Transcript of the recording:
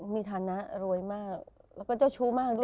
มีฐานะรวยมากแล้วก็เจ้าชู้มากด้วย